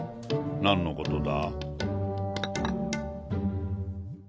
何のことだ？